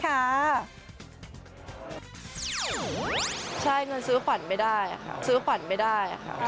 ใช่เงินซื้อขวัญไม่ได้ค่ะซื้อขวัญไม่ได้ค่ะ